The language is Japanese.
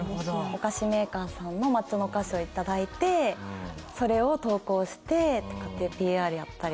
お菓子メーカーさんの抹茶のお菓子を頂いてそれを投稿してＰＲやったりとか。